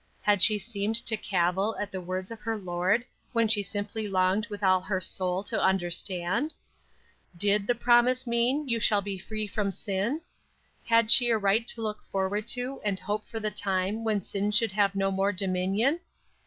Had she seemed to cavil at the words of her Lord when she simply longed with all her soul to understand? Did the promise mean, You shall be free from sin? Had she a right to look forward to and hope for the time when sin should have no more dominion?